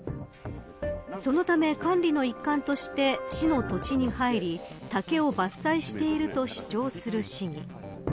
そのため、管理の一環として市の土地に入り竹を伐採していると主張する市議。